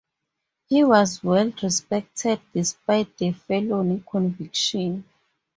He was well respected despite the felony conviction.